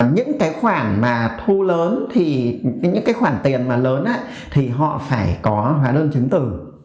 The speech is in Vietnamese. những cái khoản mà thu lớn thì những cái khoản tiền mà lớn thì họ phải có hóa đơn chứng tử